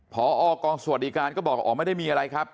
พอกองสวัสดิการก็บอกว่าอ๋อไม่ได้มีอะไรครับ